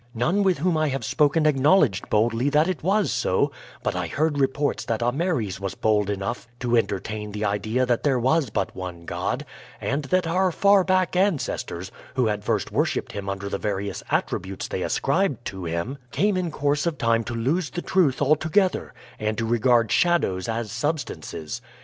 None with whom I have spoken acknowledged boldly that it was so; but I heard reports that Ameres was bold enough to entertain the idea that there was but one God, and that our far back ancestors, who had first worshiped him under the various attributes they ascribed to him, came in course of time to lose the truth altogether and to regard shadows as substances.